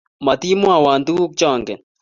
Matimwowo tuguk chongen